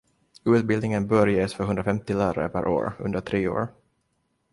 Utbildningen bör ges för hundrafemtio lärare per år under tre år.